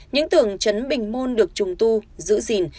những tường chấn bình môn được trùng tu giữ gìn